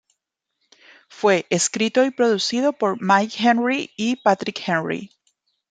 Fue escrito y producido por Mike Henry y Patrick Henry.